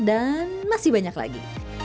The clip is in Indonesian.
dan masih banyak lagi